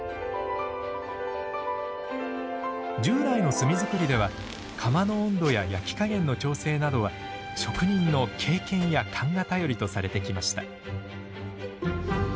従来の炭づくりでは窯の温度や焼き加減の調整などは職人の経験や勘が頼りとされてきました。